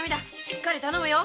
しっかり頼むよ。